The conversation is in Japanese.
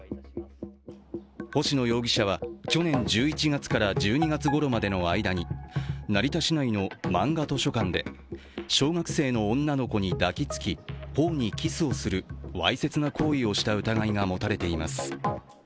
星野容疑者は去年１１月から１２月ごろまでの間に成田市内のまんが図書館で小学生の女の子に抱きつき頬にキスをする、わいせつな行為をした疑いが持たれています。